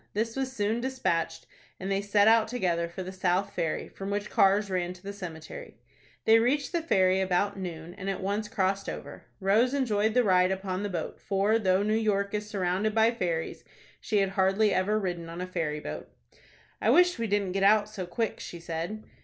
This was soon despatched, and they set out together for the South Ferry, from which cars ran to the cemetery. They reached the ferry about noon, and at once crossed over. Rose enjoyed the ride upon the boat, for, though New York is surrounded by ferries, she had hardly ever ridden on a ferry boat. "I wish we didn't get out so quick," she said.